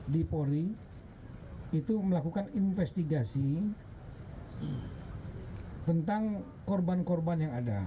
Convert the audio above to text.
di pori itu melakukan investigasi tentang korban korban yang ada